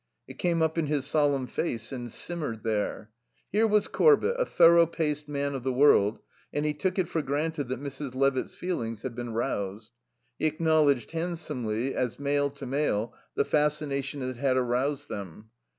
It came up in his solemn face and simmered there. Here was Corbett, a thorough paced man of the world, and he took it for granted that Mrs. Levitt's feelings had been roused; he acknowledged, handsomely, as male to male, the fascination that had roused them.